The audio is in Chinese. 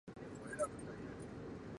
卡斯泰尔马里。